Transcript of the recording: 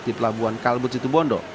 di pelabuhan kalbut situ bondo